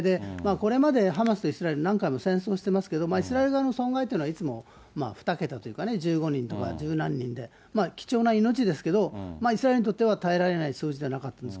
これまでハマスとイスラエル、何回も戦争してますけど、イスラエル側の損害というのはいつも２桁というかね、１５人とか、十何人で、貴重な命ですけど、イスラエルにとっては耐えられない数字ではなかったんです。